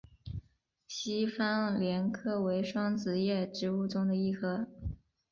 西番莲科为双子叶植物中的一科。